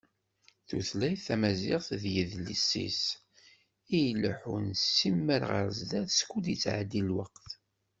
Tutlayt tamaziɣt d yidles-is i ileḥḥun simmal ɣer sdat skud yettɛeddi lweqt.